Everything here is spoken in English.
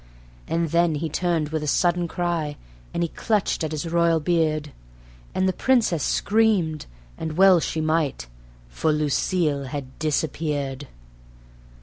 And then he turned with a sudden cry, and he clutched at his royal beard; And the Princess screamed, and well she might for Lucille had disappeared.